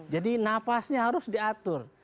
jadi napasnya harus diatur